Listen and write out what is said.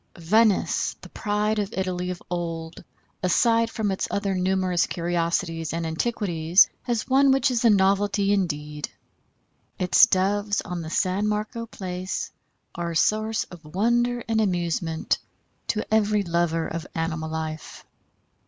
Venice, the pride of Italy of old, aside from its other numerous curiosities and antiquities, has one which is a novelty indeed. Its Doves on the San Marco Place are a source of wonder and amusement to every lover of animal life.